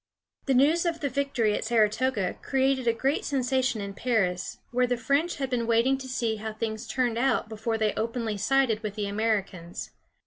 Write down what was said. The news of the victory at Saratoga created a great sensation in Paris, where the French had been waiting to see how things turned out before they openly sided with the Americans.